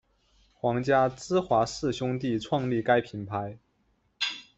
皇家芝华士兄弟创立该品牌。